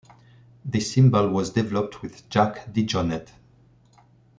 This cymbal was developed with Jack DeJohnette.